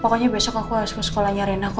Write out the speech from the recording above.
pokoknya besok aku harus ke sekolahnya rena